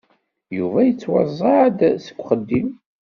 Yuba yettwaẓẓeɛ-d seg uxeddim.